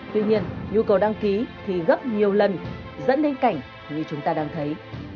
tuy nhiên nhu cầu đăng ký thì gấp nhiều lần dẫn đến cảnh như chúng ta đang thấy